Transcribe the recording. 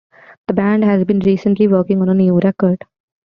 The band has been recently working on a new record.